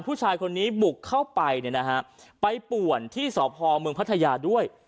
ผู้ชายคนนี้บุกเข้าไปเนี่ยนะฮะไปป่วนที่สพเมืองพัทยาด้วย